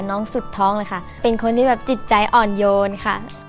สุดท้องเลยค่ะเป็นคนที่แบบจิตใจอ่อนโยนค่ะ